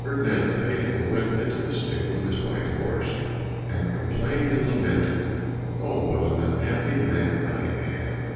Ferdinand the Faithful went into the stable to his white horse, and complained and lamented, "Oh, what an unhappy man I am!"